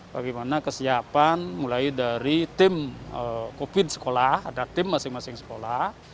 bagaimana kesiapan mulai dari tim covid sekolah ada tim masing masing sekolah